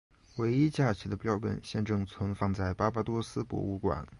唯一架起的标本现正存放在巴巴多斯博物馆。